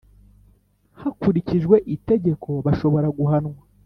hakurikijwe itegeko bashobora guhanwa